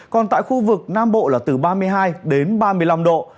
còn tại khu vực nam bộ là từ ba mươi hai đến ba mươi năm độ